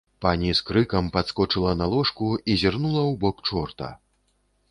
Пані з крыкам падскочыла на ложку і зірнула ў бок чорта.